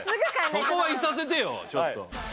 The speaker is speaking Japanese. そこはいさせてよ、ちょっと。